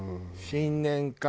新年会。